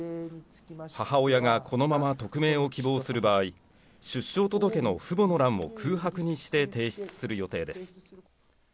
母親がこのまま匿名を希望する場合、出生届の父母の欄を空白にして提出する予定です。